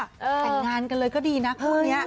แต่งงานกันเลยก็ดีนะคู่นี้